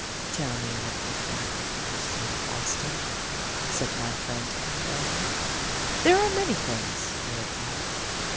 "Tell me what you find that interests you in Boston," said my friend Annabel Lee. "There are many things," I replied.